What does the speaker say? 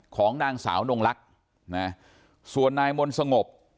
ของนางสาวนงลักษณ์นะส่วนนายมนต์สงบ